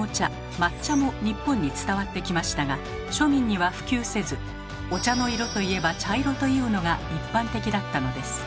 「抹茶」も日本に伝わってきましたが庶民には普及せずお茶の色といえば茶色というのが一般的だったのです。